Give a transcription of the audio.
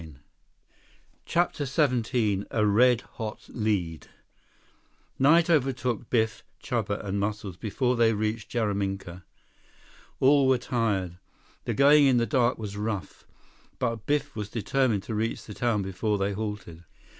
135 CHAPTER XVII A Red Hot Lead Night overtook Biff, Chuba, and Muscles before they reached Jaraminka. All were tired. The going in the dark was rough. But Biff was determined to reach the town before they halted.